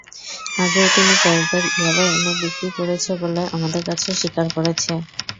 আগেও তিনি কয়েকবার ইয়াবা এনে বিক্রি করেছে বলে আমাদের কাছে স্বীকার করেছে।